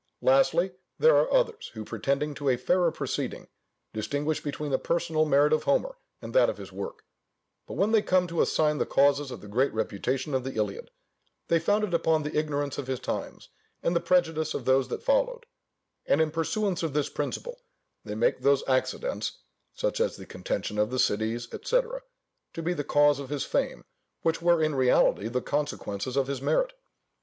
Lastly, there are others, who, pretending to a fairer proceeding, distinguish between the personal merit of Homer, and that of his work; but when they come to assign the causes of the great reputation of the Iliad, they found it upon the ignorance of his times, and the prejudice of those that followed; and in pursuance of this principle, they make those accidents (such as the contention of the cities, &c.) to be the causes of his fame, which were in reality the consequences of his merit.